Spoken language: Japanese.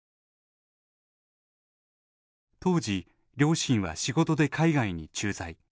当時、両親は仕事で海外に駐在。